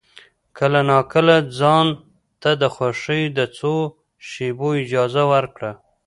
کله ناکله ځان ته د خوښۍ د څو شېبو اجازه ورکړه.